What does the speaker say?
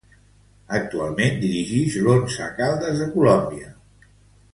Actualment dirigix l'Once Caldas de Colòmbia.